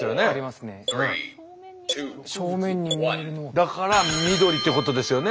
だから緑ってことですよね。